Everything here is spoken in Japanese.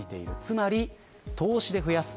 つまり投資で増やす。